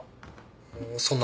そんな。